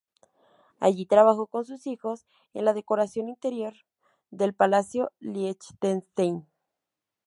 Allí trabajó con sus hijos en la decoración interior del Palacio Liechtenstein.